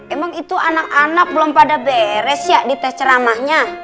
emang itu anak anak belum pada beres ya di tes ceramahnya